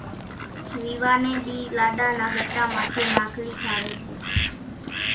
ويوا نيَ ۮِي لاڏا نا ڳٽا ماٿيَ ماکلِي ٺاويَ سي۔